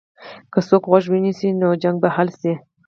که څوک غوږ ونیسي، نو شخړه به حل شي.